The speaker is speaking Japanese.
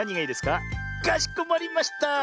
かしこまりました。